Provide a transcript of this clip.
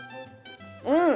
うん。